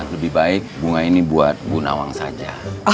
lebih baik bunga ini buat bu nawang saja